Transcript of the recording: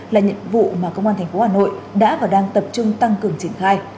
là nhiệm vụ mà công an thành phố hà nội đã và đang tập trung tăng cường triển khai